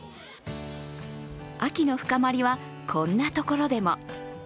秋の深まりはこんなところでも。